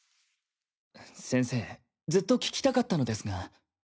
先生ずっと聞きたかったのですが。